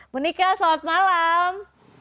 monika selamat malam